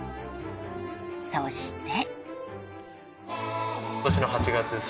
そして。